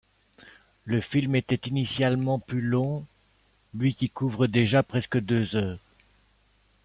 Le film était initialement plus long, lui qui couvre déjà presque deux heures.